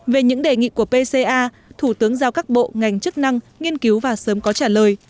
về những đề nghị của pca thủ tướng giao các bộ ngành chức năng nghiên cứu và sớm có trả lời